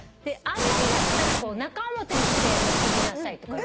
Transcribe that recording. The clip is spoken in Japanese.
あんまりだったら中表にして結びなさいとか。